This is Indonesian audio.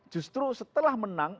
justru setelah menang